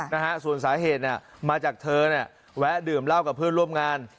ได้ส่วนสาเหตุเนี่ยมาตั้งนะแวะดื่มเหล้ากับเพื่อนร่วมงาน